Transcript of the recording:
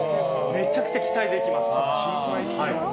めちゃくちゃ期待できます。